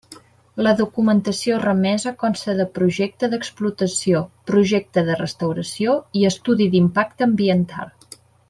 La documentació remesa consta de projecte d'explotació, projecte de restauració i estudi d'impacte ambiental.